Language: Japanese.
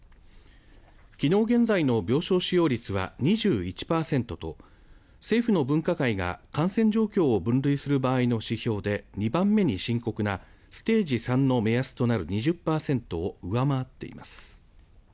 きのう現在の病床使用率は２１パーセントと政府の分科会が感染状況を分類する場合の指標で２番目に深刻なステージ３の目安となる２０パーセントを上回っています。